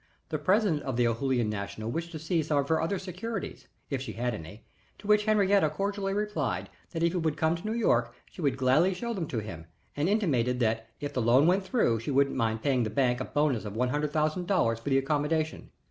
The president of the Ohoolihan National wished to see some of her other securities, if she had any, to which Henriette cordially replied that if he would come to New York she would gladly show them to him, and intimated that if the loan went through she wouldn't mind paying the bank a bonus of one hundred thousand dollars for the accommodation.